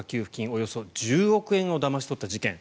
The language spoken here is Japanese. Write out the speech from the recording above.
およそ１０億円をだまし取った事件。